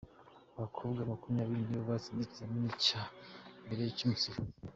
Abakobwa makumyabiri nibo batsinze ikizamini cya mbere cy’ubusifuzi